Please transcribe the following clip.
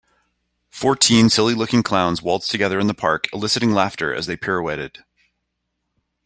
Fourteen silly looking clowns waltzed together in the park eliciting laughter as they pirouetted.